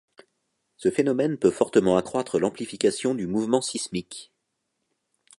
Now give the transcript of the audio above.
Ce phénomène peut fortement accroître l'amplification du mouvement sismique.